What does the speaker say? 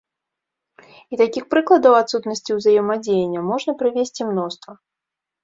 І такіх прыкладаў адсутнасці ўзаемадзеяння можна прывесці мноства.